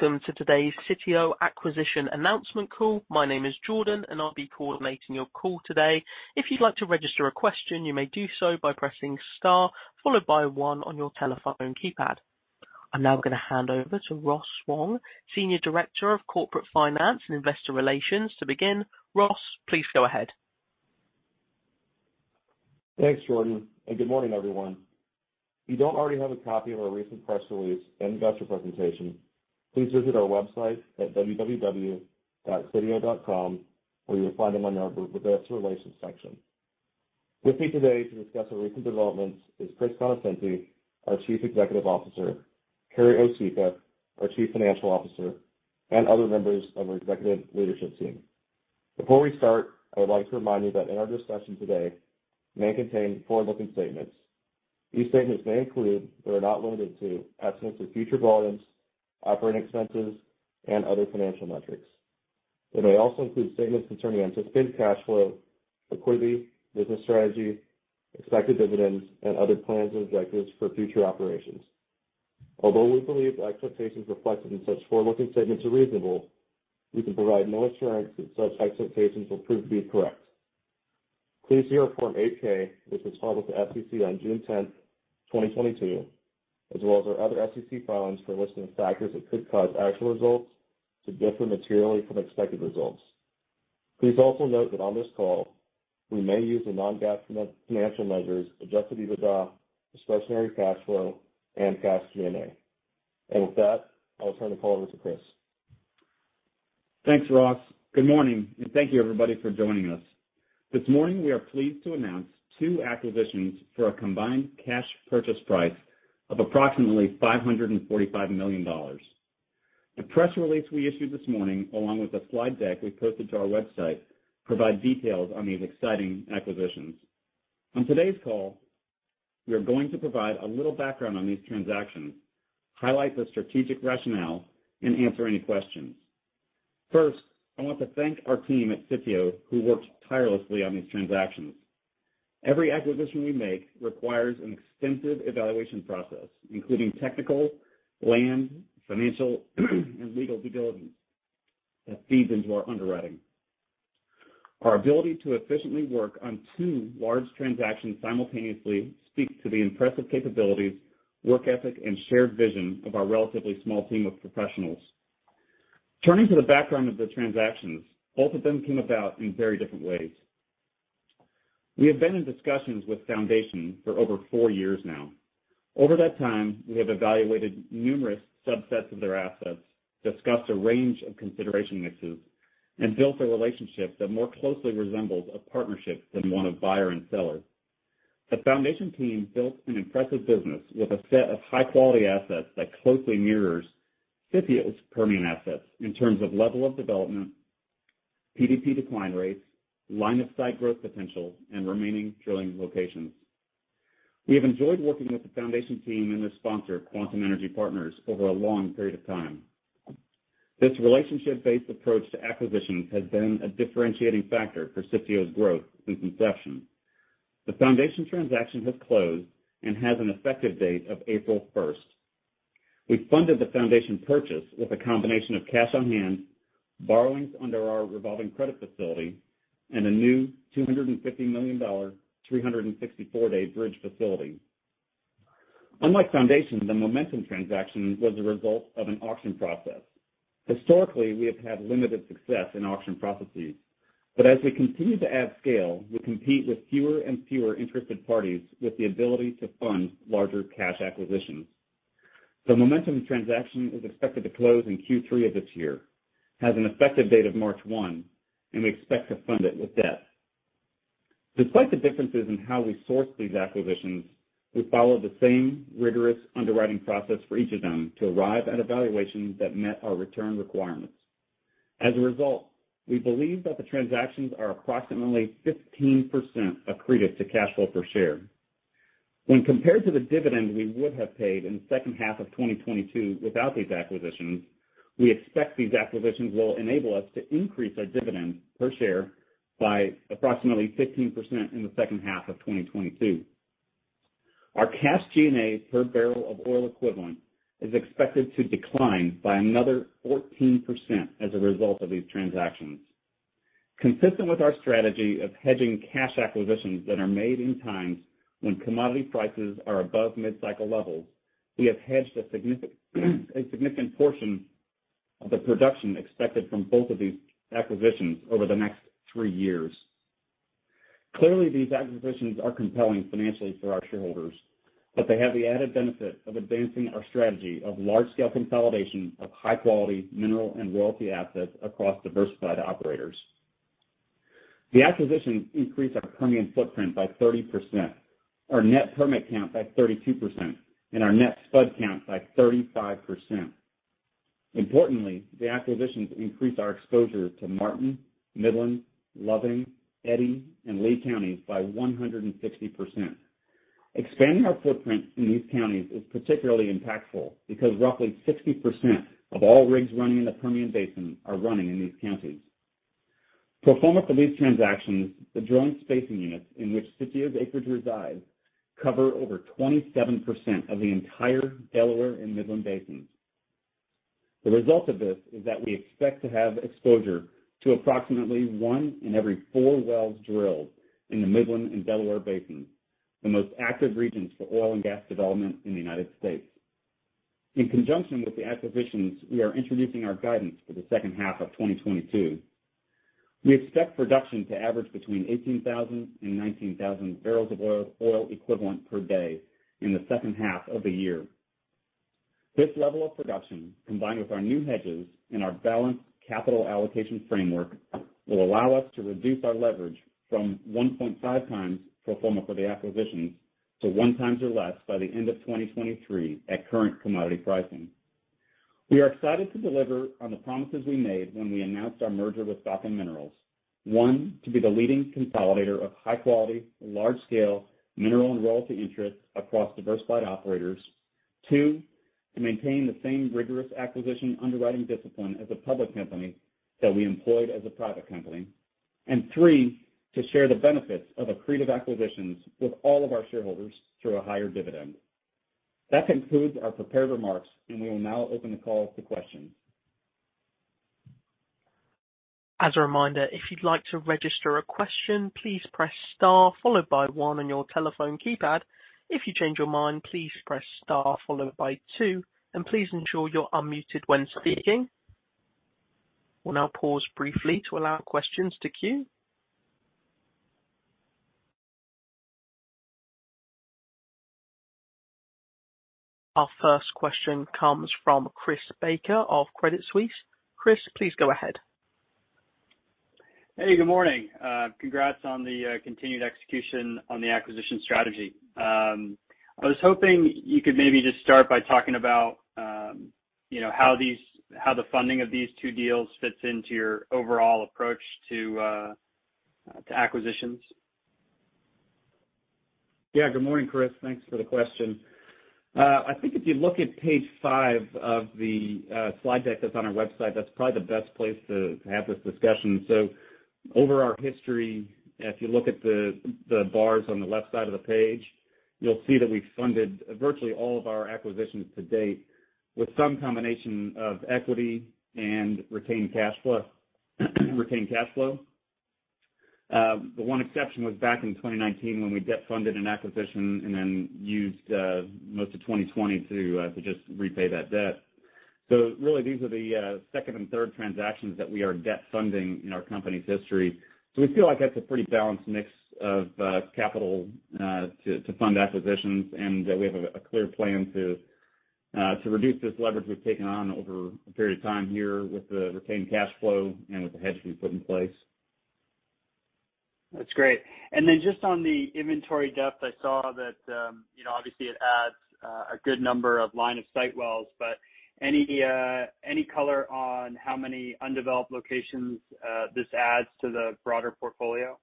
Welcome to today's Sitio Acquisition Announcement call. My name is Jordan, and I'll be coordinating your call today. If you'd like to register a question, you may do so by pressing * followed by one on your telephone keypad. I'm now gonna hand over to Ross Wong, Senior Director of Corporate Finance and Investor Relations, to begin. Ross, please go ahead. Thanks, Jordan, and good morning, everyone. If you don't already have a copy of our recent press release and investor presentation, please visit our website at www.sitio.com, where you'll find them on our investor relations section. With me today to discuss our recent developments is Chris Conoscenti, our Chief Executive Officer, Carrie Osicka, our Chief Financial Officer, and other members of our executive leadership team. Before we start, I would like to remind you that our discussion today may contain forward-looking statements. These statements may include but are not limited to estimates of future volumes, operating expenses, and other financial metrics. They may also include statements concerning anticipated cash flow, liquidity, business strategy, expected dividends, and other plans and objectives for future operations. Although we believe the expectations reflected in such forward-looking statements are reasonable, we can provide no assurance that such expectations will prove to be correct. Please see our Form 8-K, which was filed with the SEC on June tenth, 2022, as well as our other SEC filings for a list of factors that could cause actual results to differ materially from expected results. Please also note that on this call, we may use the non-GAAP financial measures, adjusted EBITDA, discretionary cash flow, and cash G&A. With that, I'll turn the call over to Chris. Thanks, Ross. Good morning, and thank you, everybody, for joining us. This morning, we are pleased to announce two acquisitions for a combined cash purchase price of approximately $545 million. The press release we issued this morning, along with the slide deck we posted to our website, provide details on these exciting acquisitions. On today's call, we are going to provide a little background on these transactions, highlight the strategic rationale, and answer any questions. First, I want to thank our team at Sitio who worked tirelessly on these transactions. Every acquisition we make requires an extensive evaluation process, including technical, land, financial and legal due diligence that feeds into our underwriting. Our ability to efficiently work on two large transactions simultaneously speaks to the impressive capabilities, work ethic, and shared vision of our relatively small team of professionals. Turning to the background of the transactions, both of them came about in very different ways. We have been in discussions with Foundation for over four years now. Over that time, we have evaluated numerous subsets of their assets, discussed a range of consideration mixes, and built a relationship that more closely resembles a partnership than one of buyer and seller. The Foundation team built an impressive business with a set of high-quality assets that closely mirrors Sitio's Permian assets in terms of level of development, PDP decline rates, line of sight growth potential, and remaining drilling locations. We have enjoyed working with the Foundation team and their sponsor, Quantum Energy Partners, over a long period of time. This relationship-based approach to acquisitions has been a differentiating factor for Sitio's growth since inception. The Foundation transaction has closed and has an effective date of April first. We funded the Foundation purchase with a combination of cash on hand, borrowings under our revolving credit facility, and a new $250 million 364-day bridge facility. Unlike Foundation, the Momentum transaction was a result of an auction process. Historically, we have had limited success in auction processes, but as we continue to add scale, we compete with fewer and fewer interested parties with the ability to fund larger cash acquisitions. The Momentum transaction is expected to close in Q3 of this year, has an effective date of March 1, and we expect to fund it with debt. Despite the differences in how we sourced these acquisitions, we followed the same rigorous underwriting process for each of them to arrive at a valuation that met our return requirements. As a result, we believe that the transactions are approximately 15% accretive to cash flow per share. When compared to the dividend we would have paid in the second half of 2022 without these acquisitions, we expect these acquisitions will enable us to increase our dividend per share by approximately 15% in the second half of 2022. Our cash G&A per barrel of oil equivalent is expected to decline by another 14% as a result of these transactions. Consistent with our strategy of hedging cash acquisitions that are made in times when commodity prices are above mid-cycle levels, we have hedged a significant portion of the production expected from both of these acquisitions over the next three years. Clearly, these acquisitions are compelling financially for our shareholders, but they have the added benefit of advancing our strategy of large-scale consolidation of high-quality mineral and royalty assets across diversified operators. The acquisitions increase our Permian footprint by 30%, our net permit count by 32%, and our net spud count by 35%. Importantly, the acquisitions increase our exposure to Martin, Midland, Loving, Eddy, and Lee counties by 160%. Expanding our footprint in these counties is particularly impactful because roughly 60% of all rigs running in the Permian Basin are running in these counties. Pro forma for these transactions, the drilling spacing units in which Sitio's acreage resides cover over 27% of the entire Delaware and Midland basins. The result of this is that we expect to have exposure to approximately one in every four wells drilled in the Midland and Delaware basins, the most active regions for oil and gas development in the United States. In conjunction with the acquisitions, we are introducing our guidance for the second half of 2022. We expect production to average between 18,000 and 19,000 barrels of oil equivalent per day in the second half of the year. This level of production, combined with our new hedges and our balanced capital allocation framework, will allow us to reduce our leverage from 1.5x pro forma for the acquisitions to 1x or less by the end of 2023 at current commodity pricing. We are excited to deliver on the promises we made when we announced our merger with Brigham Minerals. One, to be the leading consolidator of high quality, large scale mineral and royalty interests across diversified operators. Two, to maintain the same rigorous acquisition underwriting discipline as a public company that we employed as a private company. Three, to share the benefits of accretive acquisitions with all of our shareholders through a higher dividend. That concludes our prepared remarks, and we will now open the call to questions. As a reminder, if you'd like to register a question, please press * followed by one on your telephone keypad. If you change your mind, please press * followed by two, and please ensure you're unmuted when speaking. We'll now pause briefly to allow questions to queue. Our first question comes from Chris Baker of Credit Suisse. Chris, please go ahead. Hey, good morning. Congrats on the continued execution on the acquisition strategy. I was hoping you could maybe just start by talking about, you know, how the funding of these two deals fits into your overall approach to acquisitions. Yeah, good morning, Chris. Thanks for the question. I think if you look at page 5 of the slide deck that's on our website, that's probably the best place to have this discussion. Over our history, if you look at the bars on the left side of the page, you'll see that we funded virtually all of our acquisitions to date with some combination of equity and retained cash flow. The one exception was back in 2019 when we debt funded an acquisition and then used most of 2020 to just repay that debt. Really these are the second and third transactions that we are debt funding in our company's history. We feel like that's a pretty balanced mix of capital to fund acquisitions, and we have a clear plan to reduce this leverage we've taken on over a period of time here with the retained cash flow and with the hedge we put in place. That's great. Just on the inventory depth, I saw that, you know, obviously it adds a good number of line of sight wells, but any color on how many undeveloped locations this adds to the broader portfolio?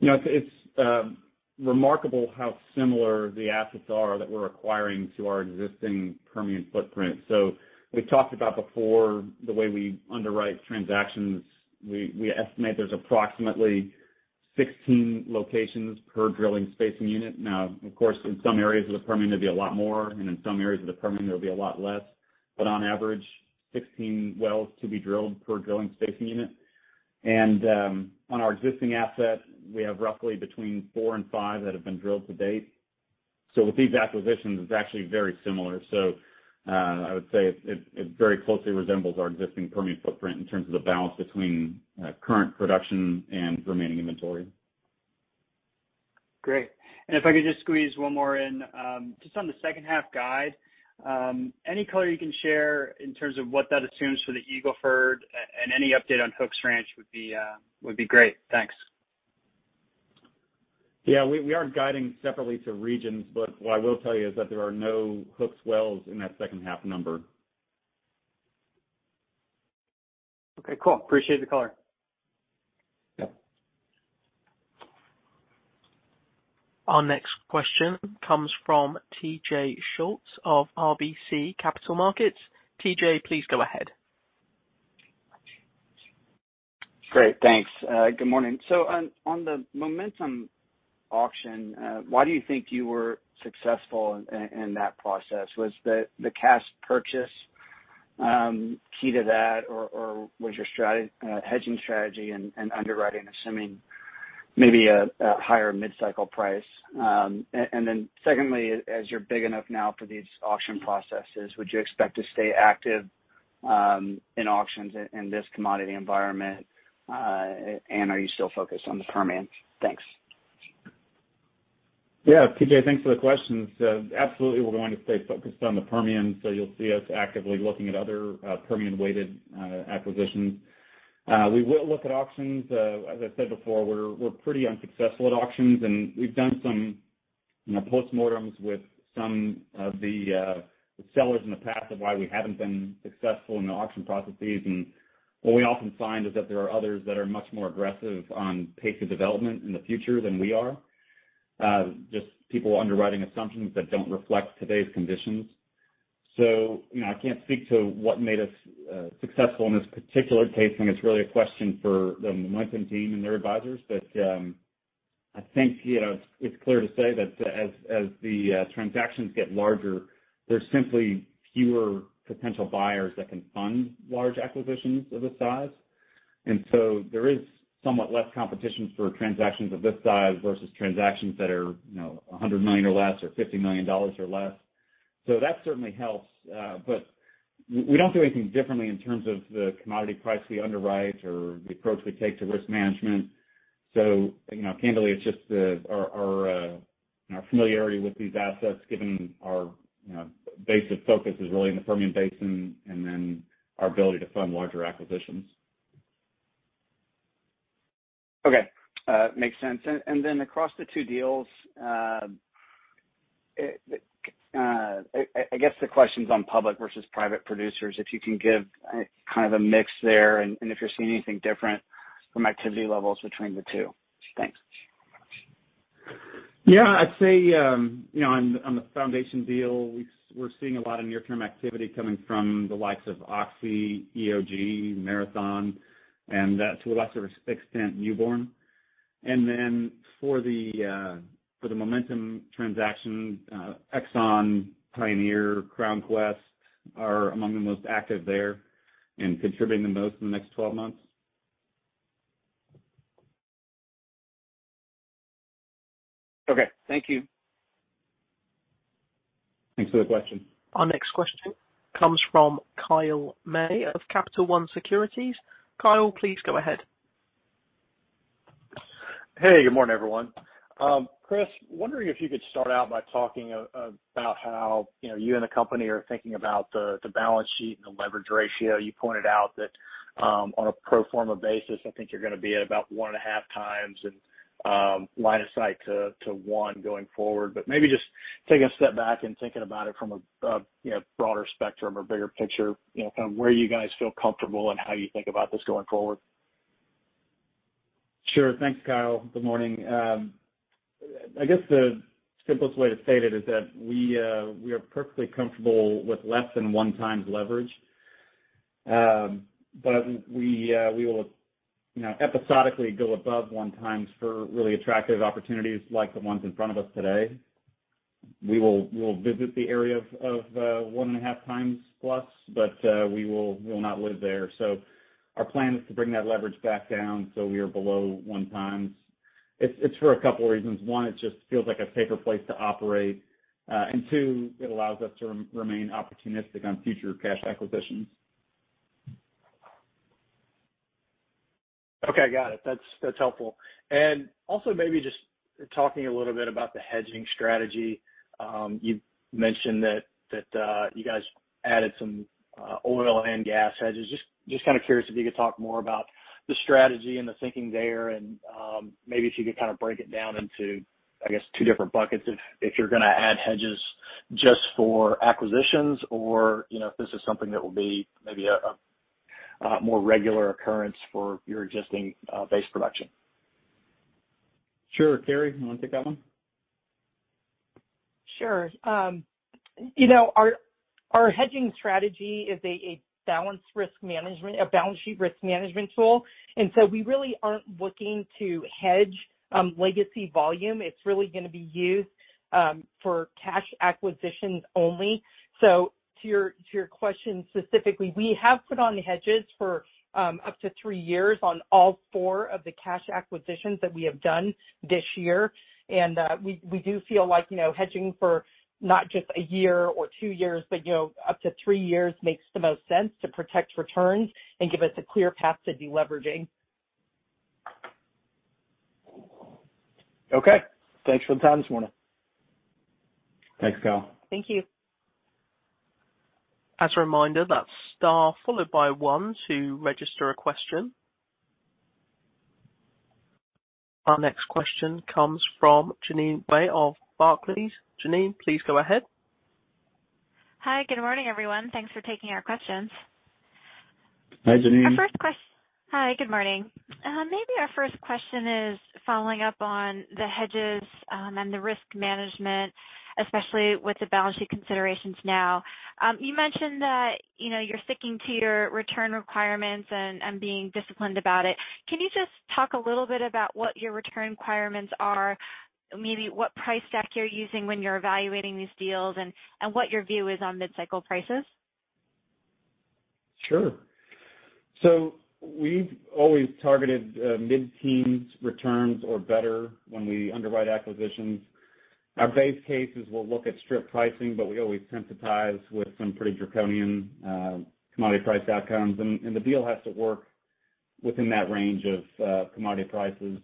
You know, it's remarkable how similar the assets are that we're acquiring to our existing Permian footprint. We talked about before the way we underwrite transactions. We estimate there's approximately 16 locations per drilling spacing unit. Now, of course, in some areas of the Permian there'll be a lot more, and in some areas of the Permian there'll be a lot less. On average, 16 wells to be drilled per drilling spacing unit. On our existing assets, we have roughly between four and five that have been drilled to date. With these acquisitions, it's actually very similar. I would say it very closely resembles our existing Permian footprint in terms of the balance between current production and remaining inventory. Great. If I could just squeeze one more in, just on the second half guide, any color you can share in terms of what that assumes for the Eagle Ford and any update on Hooks Ranch would be great. Thanks. Yeah, we aren't guiding separately to regions, but what I will tell you is that there are no Hooks wells in that second half number. Okay, cool. Appreciate the color. Yep. Our next question comes from TJ Schultz of RBC Capital Markets. TJ, please go ahead. Great, thanks. Good morning. On the Momentum auction, why do you think you were successful in that process? Was the cash purchase key to that or was your hedging strategy and underwriting assuming maybe a higher mid-cycle price? Then secondly, as you're big enough now for these auction processes, would you expect to stay active in auctions in this commodity environment? Are you still focused on the Permian? Thanks. Yeah, TJ, thanks for the questions. Absolutely we're going to stay focused on the Permian. You'll see us actively looking at other, Permian weighted, acquisitions. We will look at auctions. As I said before, we're pretty unsuccessful at auctions, and we've done some, you know, postmortems with some of the sellers in the past of why we haven't been successful in the auction processes. What we often find is that there are others that are much more aggressive on pace of development in the future than we are. Just people underwriting assumptions that don't reflect today's conditions. You know, I can't speak to what made us successful in this particular case. I think it's really a question for the Momentum team and their advisors. I think, you know, it's clear to say that as the transactions get larger, there's simply fewer potential buyers that can fund large acquisitions of this size. There is somewhat less competition for transactions of this size versus transactions that are, you know, $100 million or less, or $50 million or less. So that certainly helps. We don't do anything differently in terms of the commodity price we underwrite or the approach we take to risk management. You know, candidly, it's just our familiarity with these assets, given our base of focus is really in the Permian Basin and then our ability to fund larger acquisitions. Okay, makes sense. Then across the two deals, it, I guess the question is on public versus private producers, if you can give kind of a mix there and if you're seeing anything different from activity levels between the two. Thanks. Yeah. I'd say, you know, on the Foundation deal, we're seeing a lot of near-term activity coming from the likes of Oxy, EOG, Marathon, and to a lesser extent, Mewbourne. For the Momentum transaction, Exxon, Pioneer, CrownQuest are among the most active there and contributing the most in the next 12 months. Okay, thank you. Thanks for the question. Our next question comes from Kyle May of Capital One Securities. Kyle, please go ahead. Hey, good morning, everyone. Chris, wondering if you could start out by talking about how, you know, you and the company are thinking about the balance sheet and the leverage ratio. You pointed out that, on a pro forma basis, I think you're gonna be at about 1.5 times and line of sight to 1 going forward. Maybe just taking a step back and thinking about it from a you know, broader spectrum or bigger picture, you know, kind of where you guys feel comfortable and how you think about this going forward. Sure. Thanks, Kyle. Good morning. I guess the simplest way to state it is that we are perfectly comfortable with less than 1x leverage. We will, you know, episodically go above 1x for really attractive opportunities like the ones in front of us today. We will visit the area of 1.5x plus, but we will not live there. Our plan is to bring that leverage back down so we are below 1x. It's for a couple reasons. One, it just feels like a safer place to operate. Two, it allows us to remain opportunistic on future cash acquisitions. Okay, got it. That's helpful. Also maybe just talking a little bit about the hedging strategy. You mentioned that you guys added some oil and gas hedges. Just kind of curious if you could talk more about the strategy and the thinking there and maybe if you could kind of break it down into, I guess, two different buckets, if you're gonna add hedges just for acquisitions or, you know, if this is something that will be maybe a more regular occurrence for your existing base production. Sure. Carrie, you wanna take that one? Sure. You know, our hedging strategy is a balance sheet risk management tool, and we really aren't looking to hedge legacy volume. It's really gonna be used for cash acquisitions only. To your question specifically, we have put on hedges for up to 3 years on all 4 of the cash acquisitions that we have done this year. We do feel like, you know, hedging for not just a year or 2 years, but, you know, up to 3 years, makes the most sense to protect returns and give us a clear path to deleveraging. Okay. Thanks for the time this morning. Thanks, Kyle. Thank you. As a reminder, that's * followed by one to register a question. Our next question comes from Jeanine Wai of Barclays. Jeanine, please go ahead. Hi. Good morning, everyone. Thanks for taking our questions. Hi, Jeanine. Hi, good morning. Our first question is following up on the hedges and the risk management, especially with the balance sheet considerations now. You mentioned that, you know, you're sticking to your return requirements and being disciplined about it. Can you just talk a little bit about what your return requirements are, maybe what price deck you're using when you're evaluating these deals and what your view is on mid-cycle prices? Sure. We've always targeted mid-teens returns or better when we underwrite acquisitions. Our base case is we'll look at strip pricing, but we always sensitize with some pretty draconian commodity price outcomes. The deal has to work within that range of commodity prices.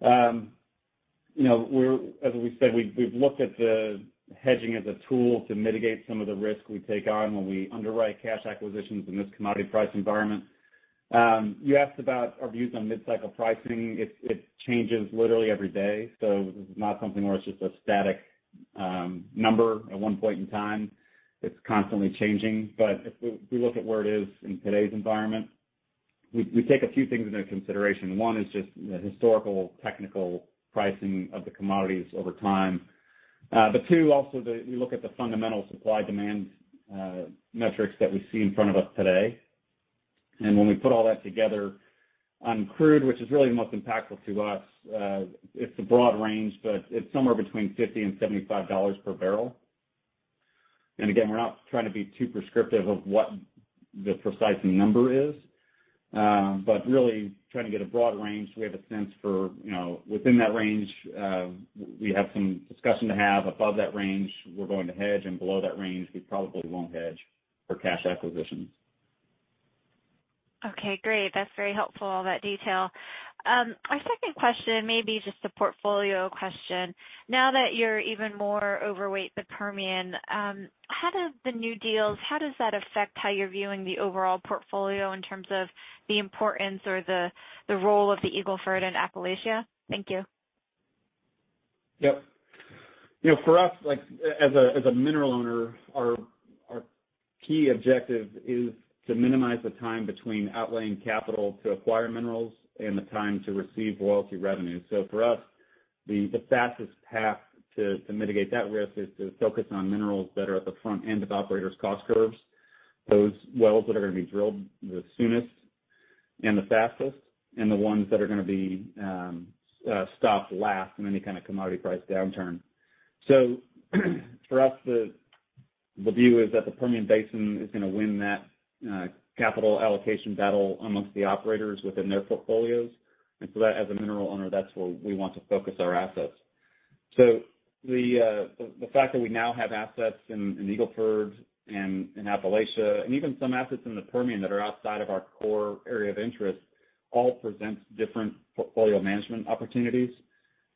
You know, as we said, we've looked at the hedging as a tool to mitigate some of the risk we take on when we underwrite cash acquisitions in this commodity price environment. You asked about our views on mid-cycle pricing. It changes literally every day. This is not something where it's just a static number at one point in time. It's constantly changing. If we look at where it is in today's environment, we take a few things into consideration. One is just the historical technical pricing of the commodities over time. Two, we also look at the fundamental supply demand metrics that we see in front of us today. When we put all that together on crude, which is really the most impactful to us, it's a broad range, but it's somewhere between $50-$75 per barrel. Again, we're not trying to be too prescriptive of what the precise number is, but really trying to get a broad range so we have a sense for, you know, within that range, we have some discussion to have. Above that range, we're going to hedge, and below that range, we probably won't hedge for cash acquisitions. Okay, great. That's very helpful, all that detail. My second question may be just a portfolio question. Now that you're even more overweight the Permian, how do the new deals, how does that affect how you're viewing the overall portfolio in terms of the importance or the role of the Eagle Ford and Appalachia? Thank you. Yep. You know, for us, like, as a mineral owner, our key objective is to minimize the time between outlaying capital to acquire minerals and the time to receive royalty revenue. For us, the fastest path to mitigate that risk is to focus on minerals that are at the front end of operators' cost curves, those wells that are gonna be drilled the soonest and the fastest, and the ones that are gonna be stopped last in any kind of commodity price downturn. For us, the view is that the Permian Basin is gonna win that capital allocation battle amongst the operators within their portfolios. That as a mineral owner, that's where we want to focus our assets. The fact that we now have assets in Eagle Ford and in Appalachia, and even some assets in the Permian that are outside of our core area of interest, all presents different portfolio management opportunities.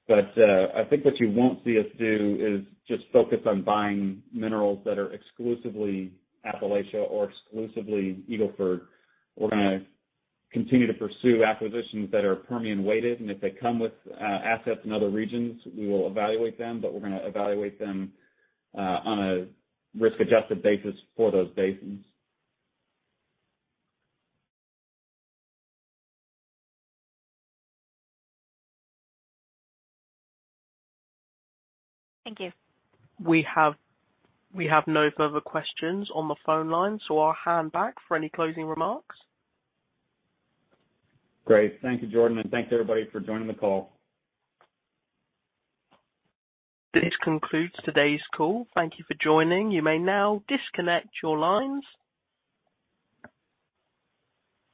I think what you won't see us do is just focus on buying minerals that are exclusively Appalachia or exclusively Eagle Ford. We're gonna continue to pursue acquisitions that are Permian-weighted, and if they come with assets in other regions, we will evaluate them, but we're gonna evaluate them on a risk-adjusted basis for those basins. Thank you. We have no further questions on the phone line, so I'll hand back for any closing remarks. Great. Thank you, Jordan, and thanks everybody for joining the call. This concludes today's call. Thank you for joining. You may now disconnect your lines.